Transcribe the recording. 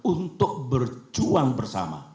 untuk berjuang bersama